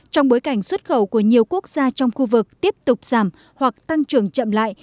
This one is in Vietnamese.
trong bối cảnh xuất khẩu của nhiều quốc gia trong khu vực tiếp tục giảm hoặc tăng trưởng chậm lại